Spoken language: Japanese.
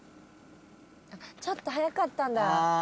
ちょっと速かったんだ。